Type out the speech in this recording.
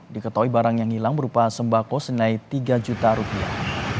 diketahui barang yang hilang berupa sembako senilai tiga juta rupiah